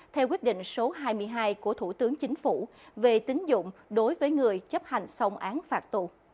theo quyết định số hai mươi hai của thủ tướng chính phủ về tính dụng đối với người chấp hành xong án phạt tù